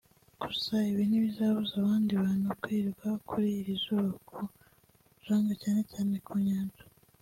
gusa ibi ntibibuza abandi bantu kwirirwa kuri iri zuba ku mucanga cyane cyane ku nyanja